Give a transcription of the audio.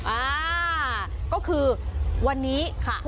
อ่าก็คือวันนี้ค่ะ